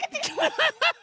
ハハハハハ！